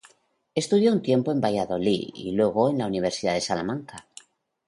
Estudió un tiempo en Valladolid y luego en la Universidad de Salamanca.